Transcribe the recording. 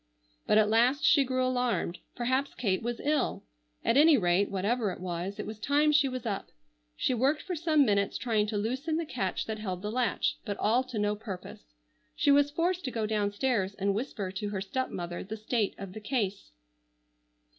But at last she grew alarmed. Perhaps Kate was ill. At any rate, whatever it was, it was time she was up. She worked for some minutes trying to loosen the catch that held the latch, but all to no purpose. She was forced to go down stairs and whisper to her stepmother the state of the case.